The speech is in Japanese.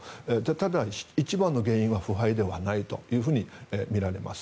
ただ、一番の原因は腐敗ではないというふうにみられます。